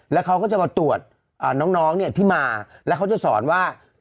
แล้วเขาก็จะมาตรวจน้องเนี่ยที่มาแล้วเขาจะสอนว่า